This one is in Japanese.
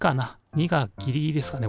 ２がギリギリですかね